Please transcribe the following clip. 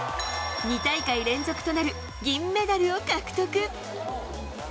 ２大会連続となる銀メダルを獲得。